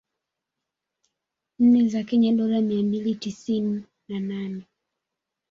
nne za Kenya dola mia mbili tisini na nane